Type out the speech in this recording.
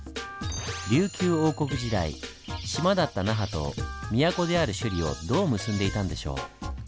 琉球王国時代島だった那覇と都である首里をどう結んでいたんでしょう？